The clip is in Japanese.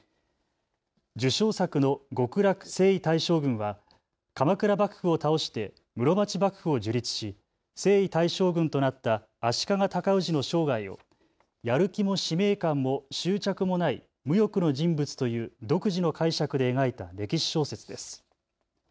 受賞作の極楽征夷大将軍は鎌倉幕府を倒して室町幕府を樹立し征夷大将軍となった足利尊氏の生涯をやる気も使命感も執着もない無欲の人物という独自の解釈で描いた歴史小説です。